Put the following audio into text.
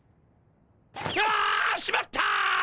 あ！しまった！